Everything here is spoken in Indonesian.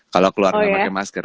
kalau keluar enggak pakai masker